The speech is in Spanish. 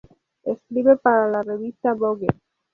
Escribe para la revista Vogue.